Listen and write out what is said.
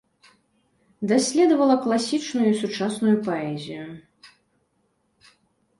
Даследавала класічную і сучасную паэзію.